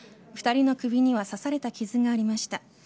２人の首には刺された傷がありました。